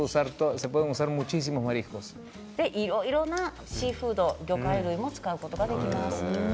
いろいろなシーフード魚介類も使うことができます。